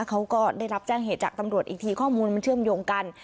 เขาก็ได้รับแจ้งเหตุจากตำรวจอีกทีข้อมูลมันเชื่อมโยงกัน